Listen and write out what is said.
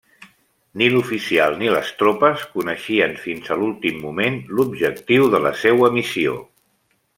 Ni l'oficial ni les tropes coneixien fins a l'últim moment l'objectiu de la seua missió.